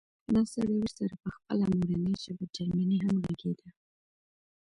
دا سړی ورسره په خپله مورنۍ ژبه جرمني هم غږېده